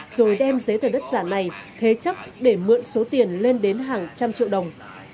rồi đem giấy tờ đất giả này thế chấp để mượn số tiền lên đến hàng trăm triệu đồng